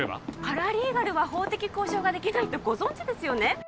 パラリーガルは法的交渉ができないってご存じですよね？